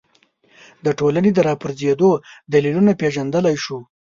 د ټولنې راپرځېدو دلیلونه پېژندلی شو